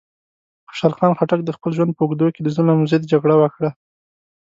خوشحال خان خټک د خپل ژوند په اوږدو کې د ظلم ضد جګړه وکړه.